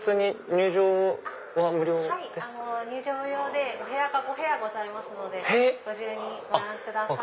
入場無料でお部屋が５部屋ございますのでご自由にご覧ください。